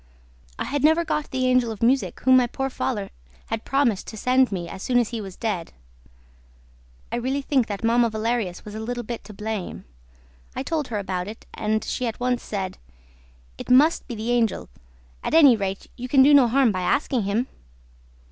I had never got the Angel of Music whom my poor father had promised to send me as soon as he was dead. I really think that Mamma Valerius was a little bit to blame. I told her about it; and she at once said, 'It must be the Angel; at any rate, you can do no harm by asking him.'